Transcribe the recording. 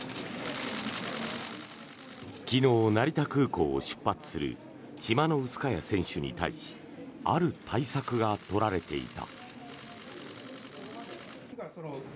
昨日、成田空港を出発するチマノウスカヤ選手に対しある対策が取られていた。